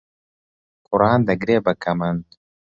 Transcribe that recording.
کوڕان دەگرێ بە کەمەند